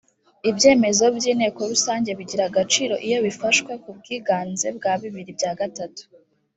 ibyemezo by’inteko rusange bigira agaciro iyo bifashwe ku bwiganze bwa bibiri bya gatatu